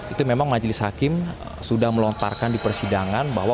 itu memang majelis hakim sudah melontarkan di persidangan bahwa